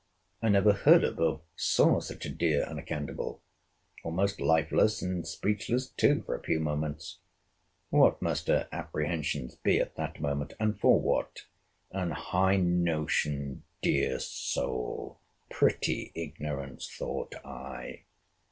I never heard of or saw such a dear unaccountable; almost lifeless, and speechless too for a few moments; what must her apprehensions be at that moment?—And for what?—An high notioned dear soul!—Pretty ignorance!—thought I.